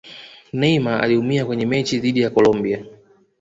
neymar aliumia kwenye mechi dhidi ya Colombia